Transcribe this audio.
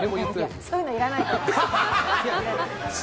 そういうのいらないから。